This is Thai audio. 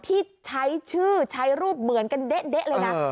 ที่ใช้ชื่อใช้รูปเหมือนกันเด๊ะเลยนะ